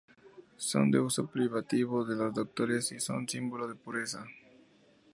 Son de uso privativo de los doctores y son símbolo de pureza.